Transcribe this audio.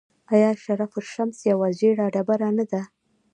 آیا شرف الشمس یوه ژیړه ډبره نه ده؟